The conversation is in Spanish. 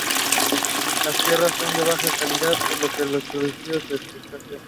Las tierras son de baja calidad, por lo que la producción es escasa.